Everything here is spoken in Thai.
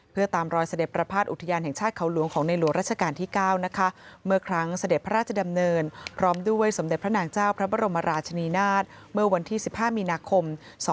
เพื่อตามรอยเสด็จประพาทอุทยานแห่งชาติเขาหลวงของในหลวงราชการที่๙นะคะเมื่อครั้งเสด็จพระราชดำเนินพร้อมด้วยสมเด็จพระนางเจ้าพระบรมราชนีนาฏเมื่อวันที่๑๕มีนาคม๒๕๖๒